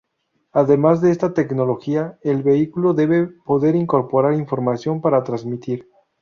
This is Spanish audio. Además de esta tecnología, el vehículo debe poder incorporar información para transmitir.